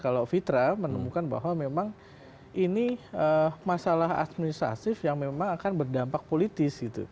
kalau fitra menemukan bahwa memang ini masalah administrasif yang memang akan berdampak politis gitu